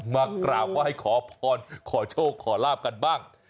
มากราบไหว้ขอพรขอโชคขอลาบกันบ้าง